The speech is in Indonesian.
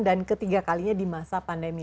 dan ketiga kalinya di masa pandemi